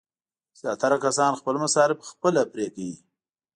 زیاتره کسان خپل مصارف خپله پرې کوي.